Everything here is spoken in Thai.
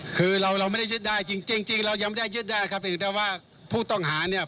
คือเราเราไม่ได้ยึดได้จริงจริงเรายังไม่ได้ยึดได้ครับเพียงแต่ว่าผู้ต้องหาเนี่ย